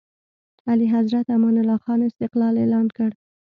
اعلیحضرت امان الله خان استقلال اعلان کړ.